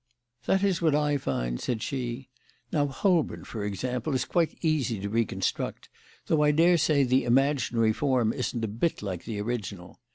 "That is what I find," said she. "Now Holborn, for example, is quite easy to reconstruct, though I daresay the imaginary form isn't a bit like the original.